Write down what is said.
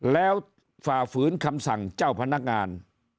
แล้วฝ่าฝืนคำสั่งเจ้าพนักงาน